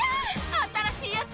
新しいやつ！